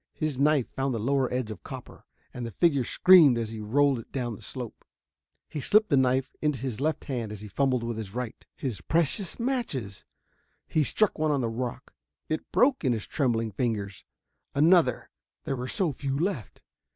His knife found the lower edge of copper, and the figure screamed as he rolled it down the slope. He slipped the knife into his left hand as he fumbled with his right. His precious matches! He struck one on the rock; it broke in his trembling fingers. Another there were so few left.